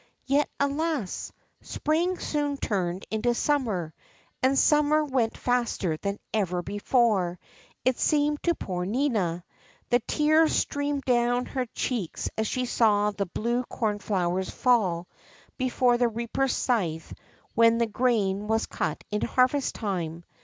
Yet, alas ! spring soon turned into summer, and summer went faster than ever before, it seemed to poor Nina. The tears streamed down her cheeks as she saw the blue corn flowers fall before the reaper's scythe Avhen the grain was cut in harvest time.